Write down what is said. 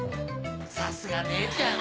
さすが姉ちゃん！